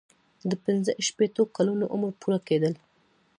د پنځه شپیتو کلونو عمر پوره کیدل.